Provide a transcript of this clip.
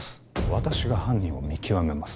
私が犯人を見極めます